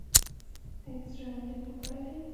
ایا د زړه عملیات مو کړی دی؟